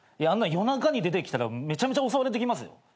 あんな夜中に出てきたらめちゃめちゃ襲われてきますよ。